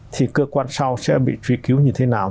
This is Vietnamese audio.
thì cơ quan sau sẽ bị truy cứu như thế nào